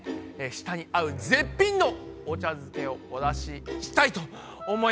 舌に合う絶品のお茶漬けをお出ししたいと思います。